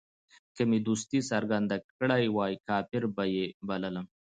که مې دوستي څرګنده کړې وای کافر به یې بللم.